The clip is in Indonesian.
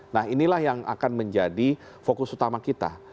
nah inilah yang akan menjadi fokus utama kita